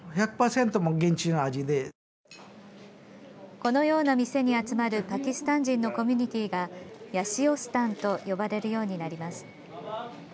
このような店に集まるパキスタン人のコミュニティーがヤシオスタンと呼ばれるようになります。